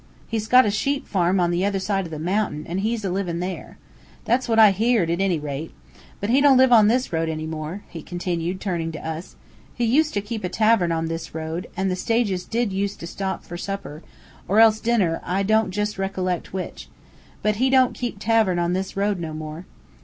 He's got a sheep farm on the other side o' the mountain, and he's a livin' there. That's what I heered, at any rate. But he don't live on this road any more," he continued, turning to us. "He used to keep tavern on this road, and the stages did used to stop fur supper or else dinner, I don't jist ree collect which. But he don't keep tavern on this road no more."